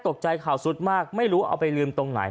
ข่าวสุดมากไม่รู้เอาไปลืมตรงไหน